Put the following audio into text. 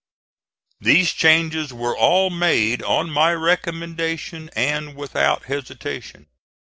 These changes were all made on my recommendation and without hesitation.